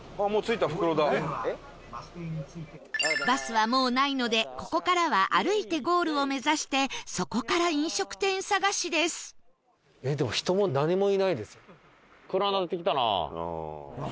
バスはもうないのでここからは歩いてゴールを目指してそこから飲食店探しです